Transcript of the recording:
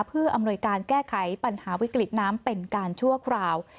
เพื่ออำนวยการแก้ไขปัญหาวิกฤตน้ำเป็นการชั่วคราว